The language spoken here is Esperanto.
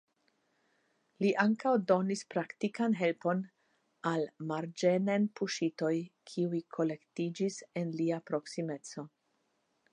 Li ankaŭ donis praktikan helpon al marĝenen puŝitoj kiuj kolektiĝis en lia proksimeco.